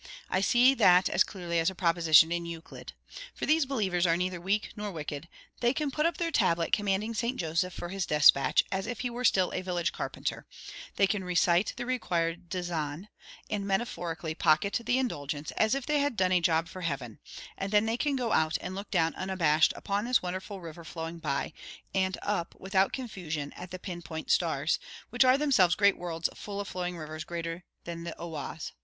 I see that as clearly as a proposition in Euclid. For these believers are neither weak nor wicked. They can put up their tablet commanding Saint Joseph for his despatch, as if he were still a village carpenter; they can 'recite the required dizaine,' and metaphorically pocket the indulgence, as if they had done a job for Heaven; and then they can go out and look down unabashed upon this wonderful river flowing by, and up without confusion at the pin point stars, which are themselves great worlds full of flowing rivers greater than the Oise.